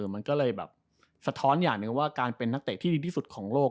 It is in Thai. มันก็เลยแบบสะท้อนอย่างหนึ่งว่าการเป็นนักเตะที่ดีที่สุดของโลก